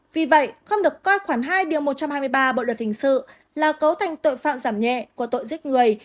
vì vậy không được coi khoảng hai điều một trăm hai mươi ba bộ luật hình sự là cấu thành tội phạm giảm nhẹ của tội giết người